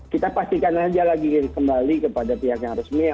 kita pastikan aja lagi kembali kepada pihak yang resmi